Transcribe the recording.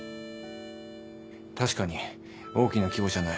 確かに大きな規模じゃない。